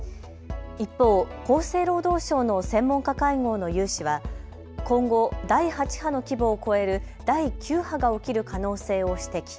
一方、厚生労働省の専門家会合の有志は今後、第８波の規模を超える第９波が起きる可能性を指摘。